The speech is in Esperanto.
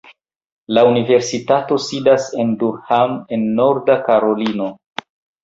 La universitato sidas en Durham en Norda Karolino.